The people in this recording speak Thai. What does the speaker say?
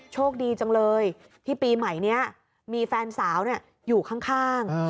โชคดีจังเลยที่ปีใหม่นี้มีแฟนสาวอยู่ข้าง